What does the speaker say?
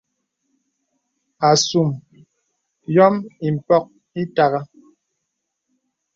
Asùm yòm ìpɔk ìtàgà.